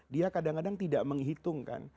dia kadang kadang tidak menghitung kan